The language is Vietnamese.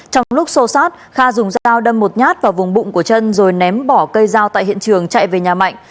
trong lúc sô sát kha dùng dao đâm một nhát vào vùng bụng của trân rồi ném bỏ cây dao tại hiện trường chạy về nhà mạnh